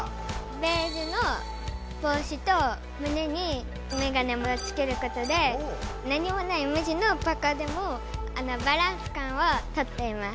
ベージュの帽子と胸にメガネもつけることで何もないむ地のパーカーでもバランスかんをとっています。